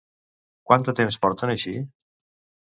Quant de temps porten així?